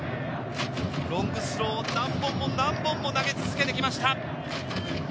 ロングスローを何本も投げ続けてきました。